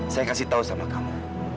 saya kasih tahu sama kamu